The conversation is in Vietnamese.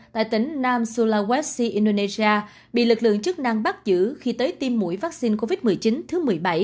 tại tỉnh nam sulawesi indonesia bị lực lượng chức năng bắt giữ khi tới tiêm mũi vắc xin covid một mươi chín thứ một mươi bảy